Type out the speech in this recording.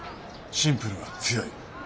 シンプルは強い。